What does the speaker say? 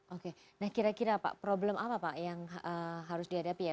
oke nah kira kira pak problem apa pak yang harus dihadapi ya